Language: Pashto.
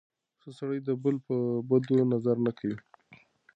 ښه سړی د بل په بدو نظر نه کوي.